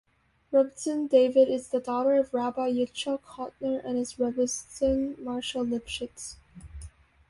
Rebbetzin David is the daughter of Rabbi Yitzchok Hutner and his rebbetzin, Masha Lipshitz.